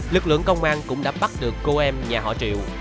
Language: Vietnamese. lực lượng công an cũng đã bắt được cô em nhà họ triệu